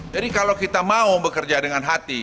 jadi kalau kita mau bekerja dengan hati